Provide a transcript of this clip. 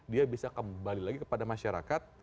dia bisa kembali lagi kepada masyarakat